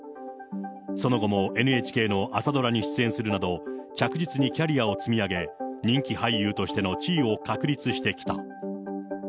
その後もＮＨＫの朝ドラに出演するなど、着実にキャリアを積み上げ、人気俳優としての地位を確立してきた。